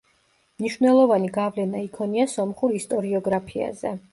მნიშვნელოვანი გავლენა იქონია სომხურ ისტორიოგრაფიაზე.